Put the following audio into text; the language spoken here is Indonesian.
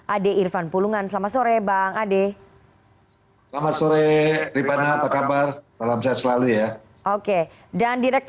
ade irfan pulungan selamat sore bang ade